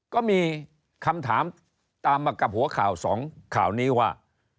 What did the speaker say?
ก็มีคำถามตามมากับหัวข่าวสองข่าวนี้ว่า